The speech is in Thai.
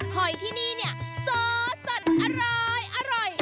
หอยที่นี่เนี่ยโซ่สดอร้อยอร่อย